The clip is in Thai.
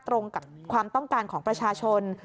ตรงกับความต้องการของประชาชน